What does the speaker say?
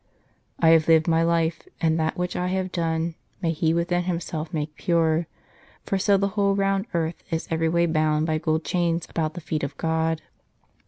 " I have lived my life, and that which I have done May He within Himself make pure ; For so the whole round earth is every way Bound by gold chains about the feet of God."